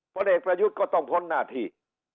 ผลเอกประยุทธ์ก็ต้องพ้นหน้าที่